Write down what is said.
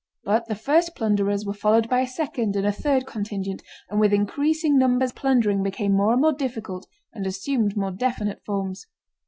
But the first plunderers were followed by a second and a third contingent, and with increasing numbers plundering became more and more difficult and assumed more definite forms.